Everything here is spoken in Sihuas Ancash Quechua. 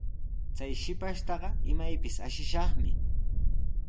Chay shipashtaqa imaypis ashishaqmi.